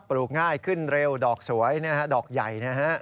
ปลูกง่ายขึ้นเร็วดอกสวยนะครับดอกใหญ่นะครับ